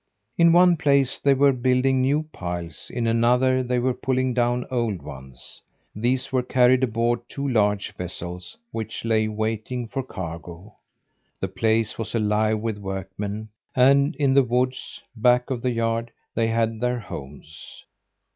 In one place they were building new piles; in another they were pulling down old ones. These were carried aboard two large vessels which lay waiting for cargo. The place was alive with workmen, and in the woods, back of the yard, they had their homes.